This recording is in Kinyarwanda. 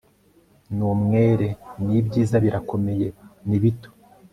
Ni umwere nibyiza birakomeye ni bito